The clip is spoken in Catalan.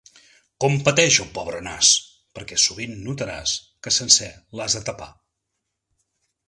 Com pateix el pobre nas! Perquè sovint notaràs, que sencer l'has de tapar.